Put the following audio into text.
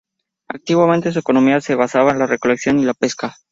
Antiguamente su economía se basaba en la recolección y la pesca.